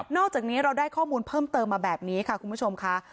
อกจากนี้เราได้ข้อมูลเพิ่มเติมมาแบบนี้ค่ะคุณผู้ชมค่ะ